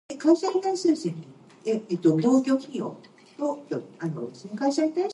Among the competition were George Curzon and J. W. Mackail.